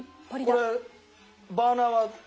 これバーナーは。